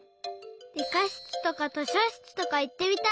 りかしつとかとしょしつとかいってみたいな。